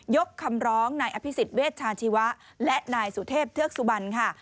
ยกคำร้องนายอภิษฎเวชชาชีวะและนายสุเทพเทือกสุบันค่ะ